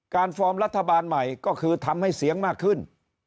ฟอร์มรัฐบาลใหม่ก็คือทำให้เสียงมากขึ้น